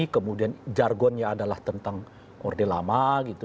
kemudian jargonnya adalah tentang orde lama gitu